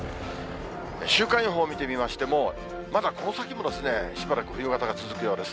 週間予報を見てみましても、まだこの先も、しばらく冬型が続くようです。